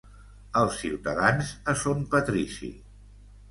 Els ciutadans a son patrici.